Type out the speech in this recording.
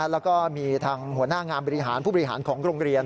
แล้วก็มีทางหัวหน้างานบริหารผู้บริหารของโรงเรียน